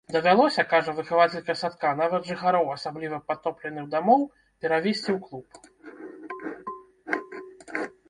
Давялося, кажа выхавацелька садка, нават жыхароў асабліва падтопленых дамоў перавезці ў клуб.